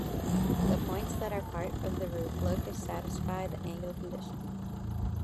The points that are part of the root locus satisfy the angle condition.